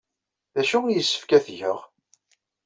D acu ay yessefk ad t-geɣ?